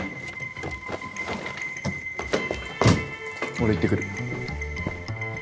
俺行ってくる。